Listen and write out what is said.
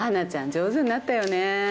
上手になったよね。